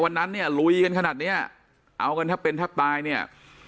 วันนั้นเนี่ยลุยกันขนาดเนี้ยเอากันแทบเป็นแทบตายเนี่ย